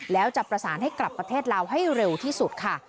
แล้วจะประสานให้กลับประเทศลาวให้เร็วที่สุดค่ะ